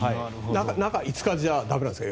中５日じゃ駄目なんですか？